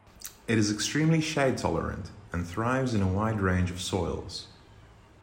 It is extremely shade tolerant, and thrives in a wide range of soils.